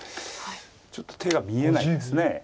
ちょっと手が見えないです。